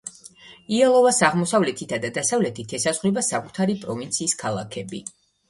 იალოვას აღმოსავლეთითა და დასავლეთით ესაზღვრება საკუთარი პროვინციის ქალაქები.